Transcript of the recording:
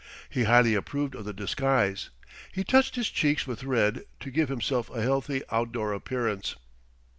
He highly approved of the disguise. He touched his cheeks with red to give himself a healthy, outdoor appearance.